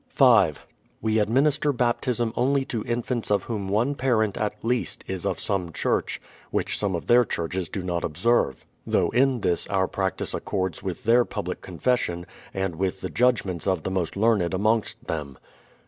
5. We administer baptism only to infants of whom one parent, at least, is of some church, which some of their churches do not observe; though in this our practice accords with their public con fession, and with the judgments of the most learned amongst them.